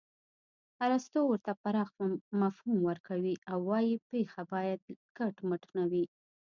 ارستو ورته پراخ مفهوم ورکوي او وايي پېښه باید کټ مټ نه وي